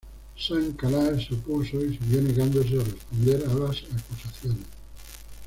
Saint-Calais se opuso y siguió negándose a responder a las acusaciones.